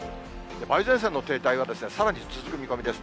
梅雨前線の停滞は、さらに続く見込みです。